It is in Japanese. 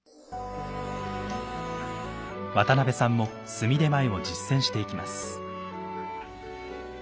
渡邊さんも炭点前を実践していきます。